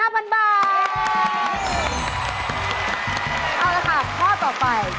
เอาละค่ะข้อต่อไป